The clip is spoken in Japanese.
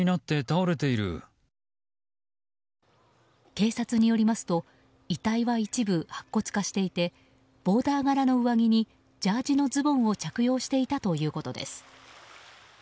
警察によりますと遺体は一部白骨化していてボーダー柄の上着にジャージーのズボンを着用していたということです。